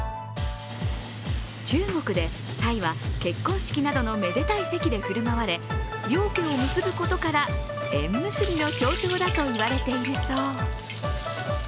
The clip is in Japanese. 中国で、たいは結婚式などのめでたい席で振る舞われ両家を結ぶことから縁結びの象徴だと言われているそう。